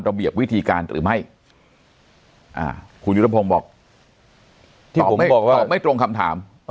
เบียบวิธีการหรือไม่คุณยุทธพงศ์บอกตอบไม่ตรงคำถาม